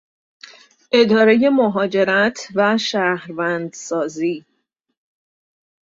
ادارهی مهاجرت و شهروندسازی